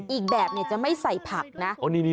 อีกแบบจะไม่ใส่ผักนะ